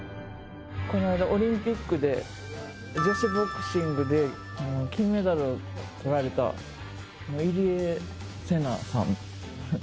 こないだオリンピックで女子ボクシングで金メダルを獲られた入江聖奈さん。